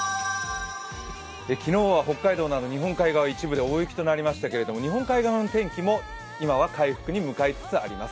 昨日は北海道など日本海側の一部で大雪となりましたけれども、日本海側の天気も今は回復に向かいつつあります。